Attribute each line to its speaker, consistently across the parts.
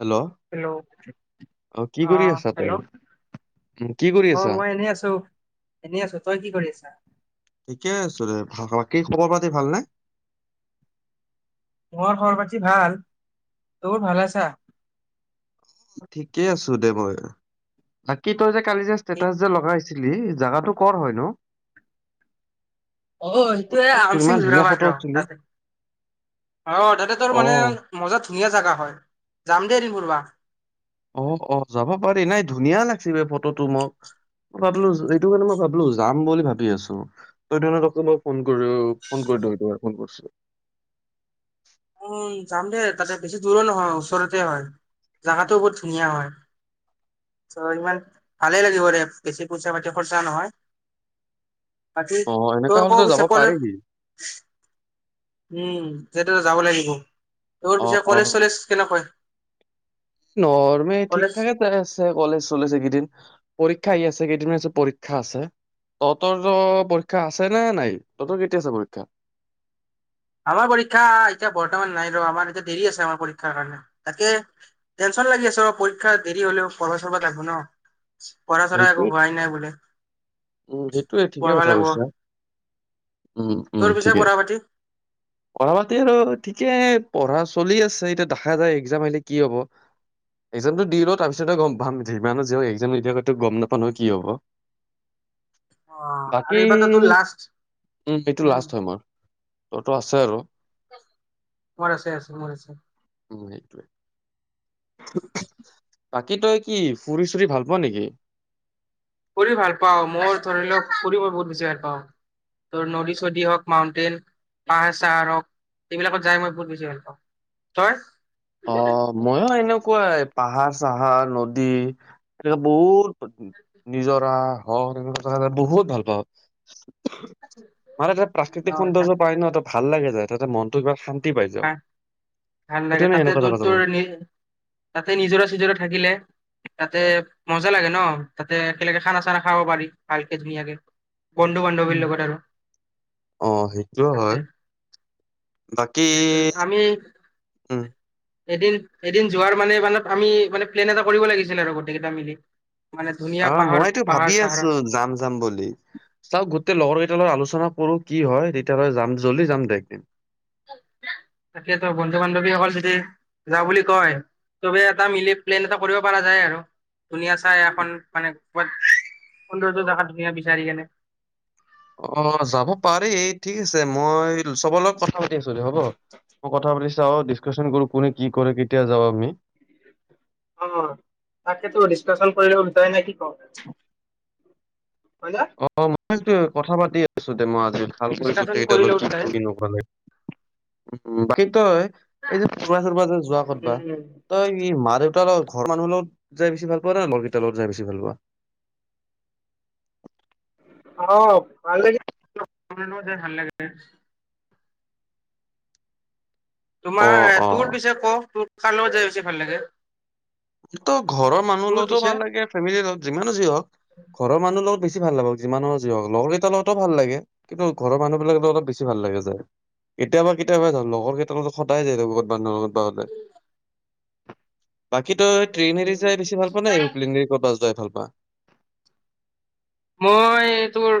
Speaker 1: Hello
Speaker 2: hello
Speaker 1: কি
Speaker 2: অ
Speaker 1: কৰি আছা তই
Speaker 2: হেল্ল'
Speaker 1: উম কি কৰি
Speaker 2: অ
Speaker 1: আছা?
Speaker 2: মই এনেই আছো। এনেই আছো। তই কি কৰি আছা?
Speaker 1: ঠিকে আছো দে ভাল খবৰ। কি খবৰ পাতি ভাল নে?
Speaker 2: মোৰ খবৰ পাতি ভাল। তোৰ ভালে আছা?
Speaker 1: ঠিকে আছো দে মই বাকী তই জে কালি যে
Speaker 2: এই-
Speaker 1: ষ্টেটাচ যে লগাইছ জাগাটো কৰ হয় নো?
Speaker 2: অ সেইটোয়ে আমচিং যোৰাবাটৰ
Speaker 1: উঠিলি
Speaker 2: তাতে অ তাতে তোৰ
Speaker 1: অ
Speaker 2: মানে মজাত ধুনীয়া জোগা হয়, যাম দে এদিন ফুৰবা।
Speaker 1: অ অ যাব পাৰি নাই ধুনীয়া লাগিছে ফটোটো মোক ভাবিলো এইটো কাৰণে মই ভাবিলো যাম বুলি ভাবি আছো তইকে মই ফোন কৰি ফোন কৰি সটো ফোন কৰিছ [unintelligible]
Speaker 2: উম যাম দে তাতে বেছি দূৰো নহয় ওচৰতে হয় জোগাটোও বহুত ধুনীয়া হয়। ত ইমান ভালেই লাগিব দে বেছি পইচা পাতি খৰচা নহয়। পাতি
Speaker 1: অ এনেকা
Speaker 2: তোৰ ক
Speaker 1: হ'লেতো যাব
Speaker 2: পিছে ক'লৈ
Speaker 1: পাৰিবি
Speaker 2: উম যেটো যাব লাগিব। এইবোৰ
Speaker 1: অ
Speaker 2: পিছে
Speaker 1: অ
Speaker 2: কলেজ চলেজ কেনেকৈ?
Speaker 1: নৰ্মে ঠিক
Speaker 2: কলেজ
Speaker 1: থাকে জাই আছে কলেজ চলেছ এইকেদিন পৰীক্ষা আহি আছে কেইদিন পৰীক্ষা আছে তহতৰ ত পৰীক্ষা আছে নে নাই? তহতৰ কেতিয়া আছে পৰীক্ষা?
Speaker 2: আমাৰ পৰীক্ষা এতিয়া বৰ্তমান নাই ৰ আমাৰ এতিয়া দেৰি আছে আমাৰ পৰীক্ষাৰ কাৰণে, তাকে টেনচন লাগি আছে অ পৰীক্ষা দেৰি হলেও পঢ়ব চাব লাকব ন। পঢ়া চৰা
Speaker 1: সেইটো
Speaker 2: একো হোৱাই নাই বোলে।
Speaker 1: উম সেইটোয়ে ঠিকে
Speaker 2: পঢ়বা
Speaker 1: কথা
Speaker 2: লাগব
Speaker 1: কৈছা, উম উম
Speaker 2: তোৰ পিছে
Speaker 1: ঠিকেই।
Speaker 2: পঢ়া পাতি
Speaker 1: পঢ়া পাতি আৰু ঠিকে পঢ়া চলি আছে এতিয়া দেখা যায় এক্জাম আহিলে কি হব, এক্জামটো দিলও তাৰপিছতে গম পাম যিমানক একজামিয়ো গম নাপানো কি হব।
Speaker 2: অ আৰু
Speaker 1: বাকী
Speaker 2: এইবাৰতো তোৰ লাষ্ট
Speaker 1: উম এইটো লাষ্ট হয় মোৰ। তত আছে আৰু।
Speaker 2: মৰ আছে আছে মৰ আছে।
Speaker 1: [unintelligible] [unintelligible] [unintelligible] [unintelligible] বাকী তই কি ফুৰি চুৰি ভাল পোৱা নেকি।
Speaker 2: ফুৰি ভাল পাওঁ, মোৰ ধৰি লওক ফুৰি মই বহুত বেছি ভাল পাওঁ, ত নদী চদী হওক মাউন্টেইন পাহাৰ চাহাৰ হওক এইবিলাকত যাই মই বহুত বেছি ভাল পাওঁ, তই?
Speaker 1: অ মইও আইলোক। কুৱাই পাহাৰ চাহাৰ নদী এনে বহুত নিজৰা হ এনেকুৱা বহুত ভাল পাওঁ । মাৰ এয়া
Speaker 2: অ
Speaker 1: প্ৰাকৃতিক সৌন্দৰ্য পায় নহ। ভাল লাগে যায় তাতে মনতটো ইমান শান্ত।
Speaker 2: হ ভাল লাগে। তাতে
Speaker 1: এনেকুৱা
Speaker 2: তোৰ
Speaker 1: জেগা যাব
Speaker 2: তোৰ
Speaker 1: লাগে
Speaker 2: নি তাতে নিজৰা চিজৰা থাকিলে। তাতে মজা লাগে ন তাতে একেলগে খানা চানা খাব পাৰি ভালকে ধুনীয়াকে। বন্ধু বান্ধৱীৰ লগত আৰু
Speaker 1: অ সেইটো হয় তাক।
Speaker 2: সেইটো আমি। এদিন এদিন যোৱাৰ মানে মানে আমি মানে প্লেন এটা কৰিব লাগিছিলে আৰু গোটেইকেইটা মিলি। মানে ধুনীয়া
Speaker 1: অ
Speaker 2: পাহাৰ
Speaker 1: মইতো
Speaker 2: পাহাৰ
Speaker 1: ভাবি আছো
Speaker 2: চাহাৰত
Speaker 1: যাম যাম বুলি চাও। তেয়া লগৰ কেইটালত আলোচনা কৰো কি হয় তেতিয়াহলে যাম জল্দি যাম দে একদিন।
Speaker 2: তাকেতো বন্ধু বান্ধৱীসকল যদি যাওঁ বুলি কয়, তবে এটা মিলি প্লেন এটা কৰিব পৰা যায় আৰু ধুনীয়া চাই এখন মানে কাত সৌন্দৰ্য্য জেগাত ধুনীয়া বিচাৰি কেনে।
Speaker 1: অ যাব পাৰি ঠিক আছে মই চবৰ লগত কথা পাতি আছিল হ'ব মই কথা পাতি। চা ডিছকাশন কৰো কোনে কি কৰে কেতিয়া যাওঁ আমি।
Speaker 2: অ তাকেেতো ডিছকাচন কৰিব লব বিচাৰে নে কি ক। হয় না
Speaker 1: অ মই কথা পাতি আছো দে মই আজি ভালকৈ
Speaker 2: ডিচকাচন
Speaker 1: গোটেইকেইটালৈ
Speaker 2: কৰিলে
Speaker 1: কি
Speaker 2: উলটাই
Speaker 1: কৰি কি নকৰিব। মম বাকী তই। এই যে ফুৰ্বা চোৰবা যে যোৱা কৰতবা
Speaker 2: উম
Speaker 1: তই মা দেউতাৰ অল। ঘৰৰ মানুহ লগত যাই বেছি ভাল পোৱা না লগৰকিতা যাই বেছি ভাল পোৱা।
Speaker 2: অ ভাল লাগে ভাল লাগে।
Speaker 1: অ
Speaker 2: তোমাৰ
Speaker 1: অ
Speaker 2: তোৰ পিছে ক তোৰ। কাৰ লগত জাই বেছি ভাল লাগে।
Speaker 1: তো ঘৰৰ মানুহ
Speaker 2: তোৰ
Speaker 1: লগতো
Speaker 2: পিছে
Speaker 1: ভাল লাগে ফেমিলিৰ লগত যিমানো যি হওক ঘৰৰ মানুহ লগত বি। বেছি ভাল নাপাওঁ যিমানৰ যি হওক লগৰ কেইটা লগতো ভাল লাগে কিন্তু ঘৰৰ মানুহবিলাক অলপ বেছি ভাল লাগে যায় কেতিয়াবা কেতিয়াবা যলগৰ কেইটা সদাই যায় লগত বানুহ লগত প হলে কি তই ট্ৰেইনে দি যাই বেছি ভাল পোৱা নে এৰুপ্লেনেৰে দি বা যাই ভাল পায় বাহ
Speaker 2: মই তোৰ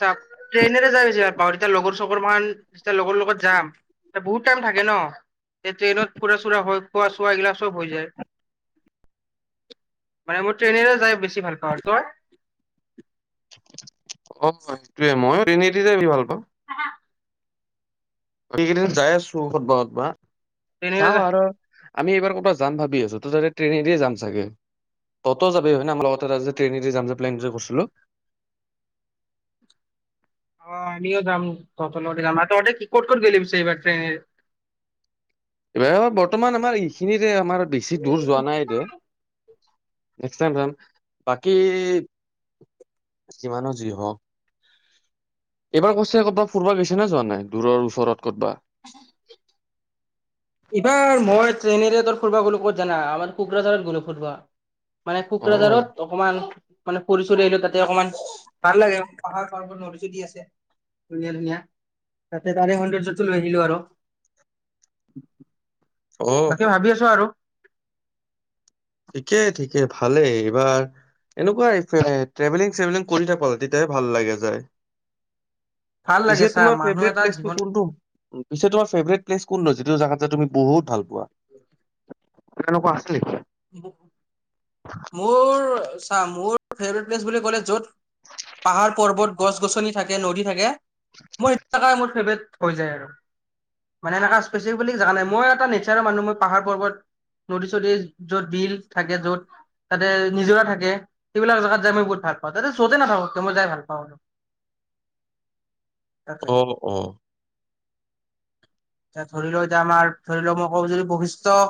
Speaker 2: চা ট্ৰেইনেৰে যাই বেছি ভাল পাওঁ তেতিয়া লগৰ চৰ ম যেতিয়া লগৰ লগত যাম বহুত টাইম থাকে ন ট্ৰেইনত ফুৰা চুৰা হয় খোৱা চোৱা এইগিলা চব হৈ যায় মানে মই ট্ৰেইনেৰে যাই বেছি ভাল পাওঁ তই [unintelligible]
Speaker 1: অ সেইটোয়ে মই ট্ৰেইনেৰে দি যাই বেছি ভাল পাও
Speaker 2: হা [unintelligible]
Speaker 1: এইদিন যাই আছো কতবা কতবা
Speaker 2: ট্ৰেইনেৰে
Speaker 1: চাম
Speaker 2: যা
Speaker 1: আৰু আমি এইবাৰ ক'বাত যাম ভাবি আছো ত তা ট্ৰেইনেদি যাম চাগে ত'ত যাবি হয় ন আমাৰ লগততোত যে ট্ৰেইনেদি যাম যে প্লেনটো কৰিছিলো
Speaker 2: আমিও যাম তত ল যাম কি ক'ত ক'ত গেলি এইবাৰ এনে
Speaker 1: ম ব [unintelligible] বৰ্তমান আমাৰ এইখিনিৰে আমাৰ বেছি দূৰ যোৱা নাই দে নেক্স টাইম যাম বাকী যিমানে যি হক এইবাৰ কৈছে ক'ৰবাত ফুব গৈছে নে যোৱা নাই দূৰ ওচৰত । ক'তবা
Speaker 2: এইবাৰ মই ট্ৰেইনেৰে ফুৰবা গ'লো ক'ত জানা আমাৰ কোকৰাঝাৰত গ'লো ফুৰবা মানে
Speaker 1: অ'
Speaker 2: কোকৰাঝাৰত অকমান মানে ফুৰি আহিলো তাতে অকমান ভাল লাগে পাহাৰ পাহোৰ নদী চদি আছে ধুনীয়া ধুনীয়া তাতে তাৰে সৌন্দৰ্যত লৈ আহিলো আৰু
Speaker 1: অ'।
Speaker 2: বাকী ভাবি আছো আৰু
Speaker 1: ঠিকে ঠিকে ভালেই এইবাৰ এনেকুৱা ট্ৰেভেলিং চেভেলিং কৰি থাকো তেতিয়াহে ভাল লাগে যায়
Speaker 2: ভাল লাগে
Speaker 1: পিছে
Speaker 2: চা
Speaker 1: তোমাৰ
Speaker 2: মানুহ
Speaker 1: ফেভট
Speaker 2: এটা
Speaker 1: প্লেচটো
Speaker 2: জীৱন
Speaker 1: কোনটো পিছে তোমাৰ ফেভট প্লেচ কোনটো যিটো জোত তুমি বহুত ভাল পোৱা
Speaker 2: উ
Speaker 1: এনেকুৱা আছিলে নেকি
Speaker 2: মোৰ আচ্ছা, মোৰ ফেবেৰেট প্লেচ বুলি ক'লে য'ত। পাহাৰ পৰ্বত গছ গছনি। থাকে নদী থাকে। মই সেইটো ছাগা মোৰ ফেভৰেট। হৈ যায় আৰু মানে এনেকুৱা স্পেচিফিক বুলি জেগা নাই মই এটা নেচাৰেল মানুহ মই পাহাৰ পৰ্বত নদী চদী। যত বিল থাকে যত তাতে নিজৰা থাকে সেইবিলাক জেগাত যাই মই বহুত ভাল পাওঁ তাতে য'তে নাথাকক মই যাই ভাল পাওঁ ।
Speaker 1: অ অ।
Speaker 2: এতিয়া ধৰি লও এতিয়া আমাৰ ধৰি লও মই কওঁ যদি বৈশিষ্টয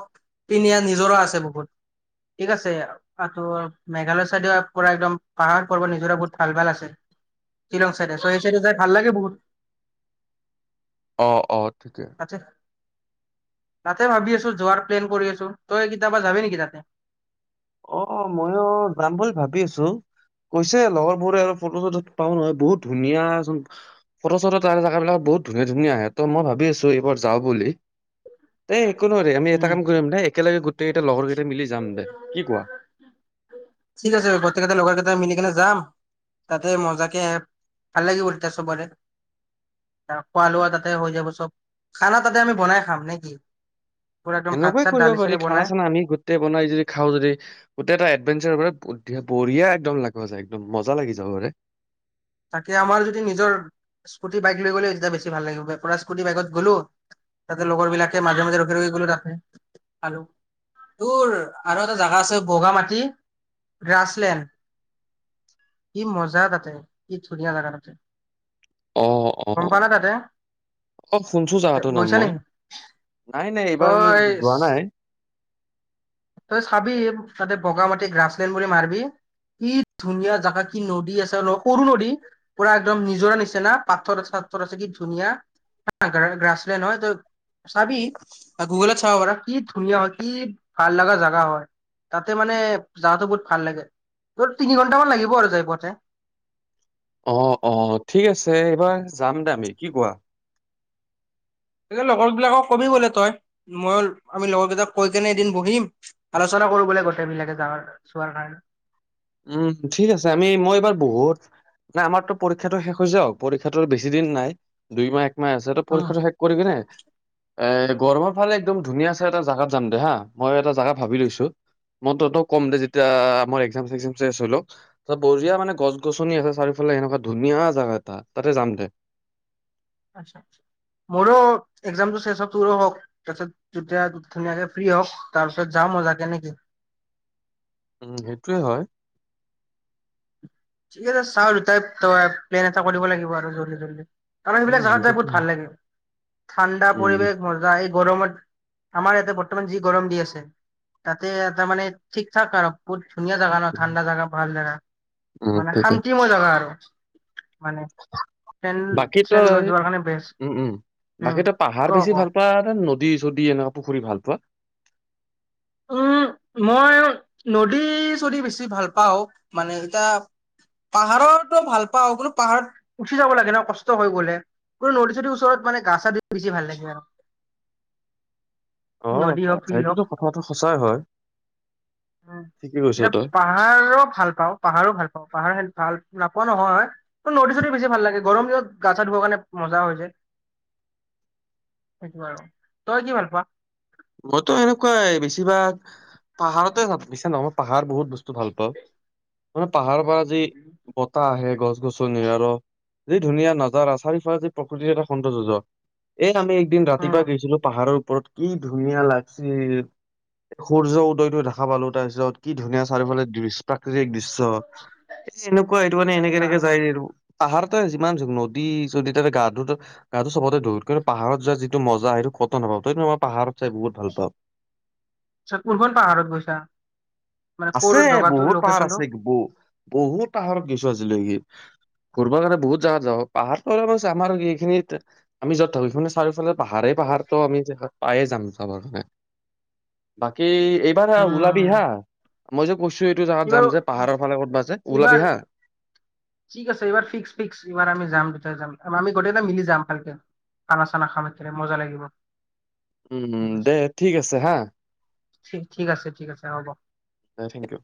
Speaker 2: পনীয়া নিজৰা আছে বহুত ঠিক আছে আৰু মেঘালয় চাইডে পৰা একদম পাহাৰ চাহাৰ নিজৰা বহুত ভাল ভাল আছে শ্বিলং চাইডে চ সেই চাইডে যাই ভাল লাগে বহুত।
Speaker 1: অ অ। ঠিকে
Speaker 2: তাতে তাতে ভাবি আছো যোৱাৰ প্লেন কৰি আছো তই কিতাবা যাবি নেকি তাতে।
Speaker 1: অ ময়ো যাম বুলি ভাবি আছো, কৈছে লগৰবোৰে আৰু ফটো চটু পাও নহয় বহুত ধুনীয়া চোন ফটো চট তাৰ জেগ বিলাক বহুত ধুনীয়া ধুনীয়া আহে ত মই ভাবি আছো এইবাৰ যাও বুলি। দেই একো নোৱাৰি আমি এটা
Speaker 2: উম
Speaker 1: কাম কৰিম দে একেলগে গোটেই কেইটটা লগৰ কেইটা মিলি যাম দে। কোৱা?
Speaker 2: ঠিক আছে গৰ্তকেইটা লগৰ কেইট মিলি কেনে যাম। খাম তাতে মজাকে ভাল লাগিবল তেতিয়া সবৰে খোৱা লোৱা তাতে হৈ যাব চব খানা তাতে আমি বনাই খাম নে কি? পুৰা একদম ভাত
Speaker 1: সেনেকুৱাই
Speaker 2: চাত
Speaker 1: কৰিব
Speaker 2: দালি চালি
Speaker 1: পাৰি খানা
Speaker 2: বনাই
Speaker 1: চানা আমি গোটেই বনাই যদি খাওঁ যদি গোটেই এটা এডভেঞ্চাৰ। এতিয়া বঢ়িয়া একদম লাগব যায় একদম মজা লাগি যাবৰে।
Speaker 2: তাকে আমাৰ যদি নিজৰ স্কুটি বাইক লৈ গ'লে তেতিয়া বেছি ভাল লাগিব পৰা স্কুটি বাইকত গ'লো তাতে লগৰ বিলাকে মাজে মাজে ৰখি ৰখি গ'লো তাতে আৰু তোৰ আৰু এটা জোগা আছে বগা মাটি গ্ৰাছলেণ্ড কি মজা তাতে। যি ধুনীয়া জাগা তাতে।
Speaker 1: অ অ
Speaker 2: গম পা না তাতে
Speaker 1: অ শুনছো জাগাটোৰ নাম
Speaker 2: গৈছা
Speaker 1: মই
Speaker 2: নেকি
Speaker 1: নাই নাই এইবাৰলৈ
Speaker 2: তই
Speaker 1: যোৱা নাই।
Speaker 2: তই চাবি তাতে বগ মাটি গ্ৰাছলেণ্ড বুলি মাৰিবি কি ধুনীয়া জাগা কি নদী আছে সৰু নদী পুৰা একদম নিজৰা নিচনা পাথৰ আছে চথৰ আছে কি ধুনীয়া হা গ্ৰাছলেণ্ড হয় তই চাবি গুগলত চাব পাৰ কি ধুনীয়া হয় কি। ভাল লগা জোগা হয় তাতে মানে জাগাটো বহুত ভাল লাগে, তিনি ঘন্টামান লাগিব আৰু যাই পাওঁতে।
Speaker 1: অ অ ঠিক আছে এইবাৰ যাম দে আমি কি কোৱা।
Speaker 2: লগৰবিলাকক কবি গলে তই ময় আমি লগৰ কেইটাক কৈ কেনে এদিন বহিম আলোচনা কৰো বোলে গোটেই বিলাকে যোৱাৰ চোৱাৰ কাৰণে।
Speaker 1: উম ঠিক আছে আমি মই এইবাৰ বহুত নে আমাৰতো পৰীক্ষাটো শেষ হৈ যাওক পৰীক্ষাটো বেছি দিন নাই দুই মাহ এক। মাহে আছে পৰীক্ষাটো শেষ কৰিবি নে। এ গৰমৰ ফালে একদম ধুনীয়া চাই এটা জোগাত যাম দে হা মই এটা জেগা ভাবি লৈছো মই তহঁতও ক'ম দে যেতিয়া আমাৰ একজাম চেকজা। টেষ্ট হৈ লওঁক, সব বঢিয়া মানে গছ গছনি আছে চাৰিওফালে সেনেকুৱা ধুনীয়া জাগা এটা তাতে যাম দে।
Speaker 2: মোৰো একজাম চেচ হওক তোৰো হওক তাৰ পাছত তেতিয়া ধুনীয়াকে ফ্ৰী হওঁক, তাৰ পিছত যাওঁ মজা কে নেকি।
Speaker 1: উম সেইটোৱে হয়।
Speaker 2: ঠিক আছে চাও আৰু তাই তই প্লেন এটা কৰিব লাগিব আৰু জল্দি জল্দি। তাৰ মানে
Speaker 1: উম
Speaker 2: এইবিলাক জগাত যাই
Speaker 1: সেইটোৱে
Speaker 2: বহুত ভাল লাগে ঠাণ্ডা
Speaker 1: উম
Speaker 2: পৰিৱেশ মজা এই। গৰমত আমাৰ ইয়াতে বৰ্তমান যি গৰম দি আছে তাতে তাৰ মানে ঠিক ঠাক আৰু। ধুনীয়া জাগা ন ঠাণ্ডা জাগা ভাল জাগা।
Speaker 1: উম
Speaker 2: মানে
Speaker 1: ঠিকে
Speaker 2: শান্তিমই জাগা আৰু। মানে ট্ৰেইন
Speaker 1: বাকী
Speaker 2: চেইন লৈ
Speaker 1: তই
Speaker 2: যোৱাৰ কাৰণে বেষ্ট
Speaker 1: উম উম বাকী
Speaker 2: উম
Speaker 1: তই পাহাৰ
Speaker 2: ক
Speaker 1: বেছি
Speaker 2: ক
Speaker 1: ভাল পাওঁ নে। দি যদি এনেকুৱা পুখুৰী ভাল পোৱা।
Speaker 2: উম মই নদী চদি বেছি ভাল পাওঁ মানে এতিয়া পাহাৰতো ভাল পাওঁ কোনো পাহাৰত উচি যাব লাগে ন কষ্ট হৈ গলে কোনো নদী চদীৰ ওচৰত মানে গা চা ধ বেছি ভাল লাগে আৰু
Speaker 1: অ
Speaker 2: নদী হওক
Speaker 1: আচ্ছা এইটোতো কথাটো সঁচাই হয়
Speaker 2: উ
Speaker 1: ঠিকে কৈছ
Speaker 2: এয়া
Speaker 1: তই
Speaker 2: পাহাৰো ভাল পাওঁ পাহাৰো ভাল পাওঁ পাহাৰ খ ভাল নাপোৱা নহয় হয় নৰ্দী চদি বেছি ভাল লাগে গৰম দিনত গা চা ধুবৰ কাৰণে মজা হৈ যায় সেইটো আৰু তই কি ভাল পোৱা
Speaker 1: মইতো এনেকুৱাই বেছিভাগ পাহাৰতে নহয় মই পাহাৰ বহুত বস্তু ভাল পাওঁ ম পাহাৰ পৰা যি বতাহ আহে গছ গছনিৰ যি ধুনীয়া নাজাৰা চাৰি ফাৰে যি প্ৰকৃতিৰ এটা সৌন্দৰ্য্য এই আমি একদিন
Speaker 2: উম
Speaker 1: ৰাতিপুৱা গৈছিলো পাহাৰত ওপৰত কি ধুনীয়া লাগিছে, সূৰ্য উদয়টো দেখা পালো তাৰপিছত। কি ধুনীয়া চ আৰুফালে প্ৰাকৃতিক দৃশ্য। এ এনেকুৱা এইটো মানে এনেকে
Speaker 2: আচ্ছা
Speaker 1: এনেকে যায়। পাহাৰতে যিমান যু নদী যদি তাতে গা ধত গাটো চবতে ধৌল কিন্তু পাহাৰত যোৱা যিটো মজা সেইটো খত হব তই পাহাৰত [unintelligible] চাই বহুত ভাল পাওঁ।
Speaker 2: কোনখন পাহাৰত গৈছা। মানে ক'ৰ
Speaker 1: আছে
Speaker 2: জগাটো
Speaker 1: বহুত পাহাৰ
Speaker 2: লোকেশচনটো
Speaker 1: আছে বহুত পাহাৰত গৈছো আজি। ফূৰিব গলে কাৰণে বহুত জেগাত যাওঁ, পাহাৰ অলপ আমাৰ এইখিনিত আমি য'ত থাকো সখে চাৰিওফালে পাহাৰ ।পাহাৰটো আমি পায়ে যাম যাবৰ কাৰণে বাকী। এইবাৰ ওলাবি হা। মইজো
Speaker 2: এইবাৰো
Speaker 1: ওলাবি
Speaker 2: এইবাৰ
Speaker 1: হা
Speaker 2: ঠিক আছে, এইবাৰ ফিক্স ফিক্স এইবাৰ আমি যাম দুট যাম। আমি গোটেই এটা মিলি যাম ভালকে খানা চানা খাম, একেলগে মজা লাগিব। ঠিক
Speaker 1: উম
Speaker 2: আছে
Speaker 1: দে ঠিক আছে হা।
Speaker 2: ঠিক আছে ঠিক আছে হ'ব।
Speaker 1: হয় থেংক ইউ।